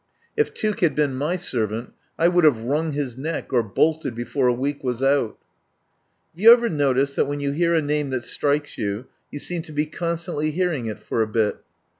If Tuke had been my servant I would have wrung his neck or bolted before a week was out. Have you ever noticed that, when you hear a name that strikes you, you seem to be con stantly hearing it for a bit.